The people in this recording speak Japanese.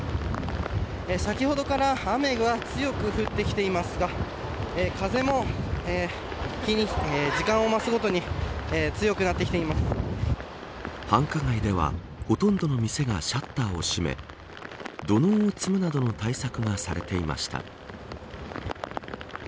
先ほどから雨が強く降ってきていますが風も時間を増すごとに繁華街ではほとんどの店がシャッターを閉め土のうを積むなどの対策がされていました。